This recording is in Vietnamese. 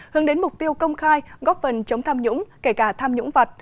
hướng đến mục tiêu công khai góp phần chống tham nhũng kể cả tham nhũng vật